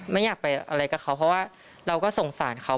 ไม่อยากไปอะไรกับเขาเพราะว่าเราก็สงสารเขา